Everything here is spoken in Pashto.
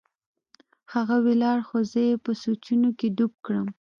هغه ولاړ خو زه يې په سوچونو کښې ډوب کړم.